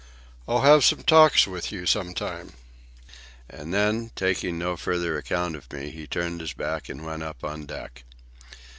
I'll have some talks with you some time." And then, taking no further account of me, he turned his back and went up on deck.